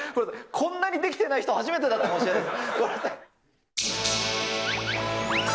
こんなにできてない人、初めてだったかもしれないです。